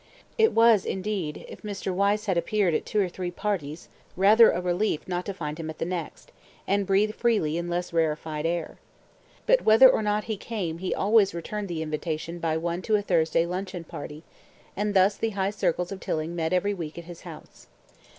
It was, indeed, if Mr. Wyse had appeared at two or three parties, rather a relief not to find him at the next, and breathe freely in less rarefied air. But whether he came or not he always returned the invitation by one to a Thursday luncheon party, and thus the high circles of Tilling met every week at his house.